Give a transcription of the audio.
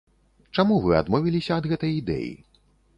Чаму вы адмовіліся ад гэтай ідэі?